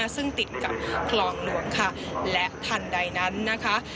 ซึ่งติดกับคลองหลวงค่ะและทันใดนั้นนะคะ